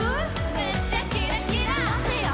めっちゃキラキラ待ってやば」